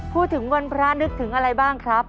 พูดถึงวันพระนึกถึงอะไรบ้างครับ